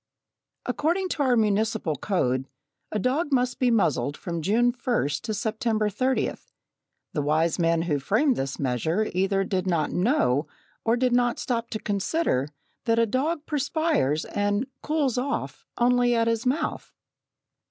According to our municipal code, a dog must be muzzled from June 1st to September 30th. The wise men who framed this measure either did not know, or did not stop to consider, that a dog perspires and "cools off" only at his mouth.